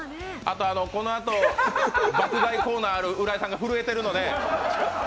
このあと、爆買いコーナーの浦井さんが震えているので。